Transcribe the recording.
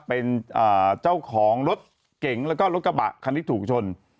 เป็นเจ้าของรถเก๋งแล้วก็รถกระบะคันที่ถูกชน